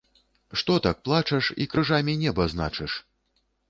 Што так плачаш, і крыжамі неба значыш?